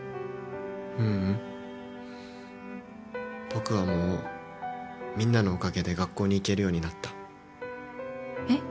ううん僕はもうみんなのおかげで学校に行けるようになったえっ？